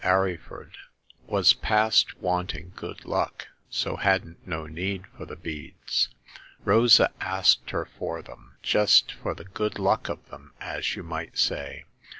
Arryford was past wanting good luck, so hadn't no need for the beads. Rosa asked her for them, just for the good luck of them, as you might say.